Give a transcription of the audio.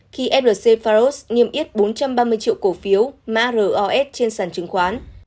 khi flc pharos nhâm ít bốn trăm ba mươi triệu cổ phiếu ros trên sản chứng khoán